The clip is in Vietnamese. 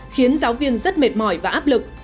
khiến giáo viên rất mệt mỏi và áp lực